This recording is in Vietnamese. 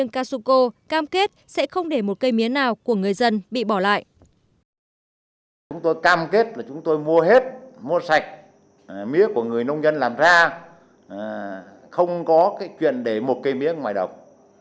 cám kết là chúng tôi mua hết mua sạch mía của người nông dân làm ra không có chuyện để một cây mía ngoài đồng